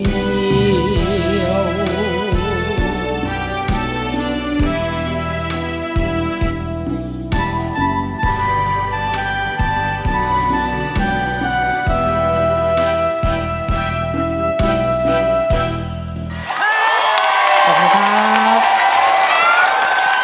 ทุกวัน๑๙นทุกวัน๑๙นทุกวัน๑๙น